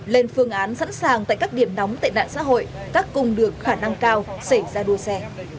lên phương án sẵn sàng tại các điểm nóng tệ nạn xã hội các cung đường khả năng cao xảy ra đua xe